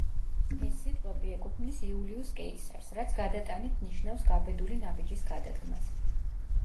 ეს სიტყვები ეკუთვნის იულიუს კეისარს რაც გადატანით ნიშნავს გაბედული ნაბიჯის გადადგმას.